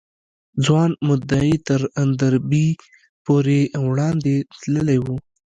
ځوان مدعي تر دربي پورې وړاندې تللی و.